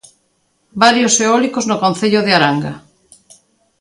Varios eólicos no concello de Aranga.